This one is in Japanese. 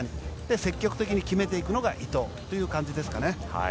積極的に決めていくのが伊藤という感じですかね。